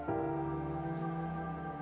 kamu harus mencoba untuk mencoba